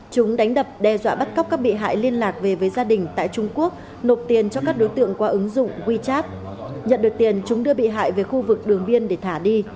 chúng đánh đập đe dọa bắt cóc các bị hại liên lạc về với gia đình tại trung quốc nộp tiền cho các đối tượng qua ứng dụng wechat nhận được tiền chúng đưa bị hại về khu vực đường biên để thả đi